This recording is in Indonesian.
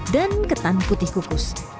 dan ketan putih kukus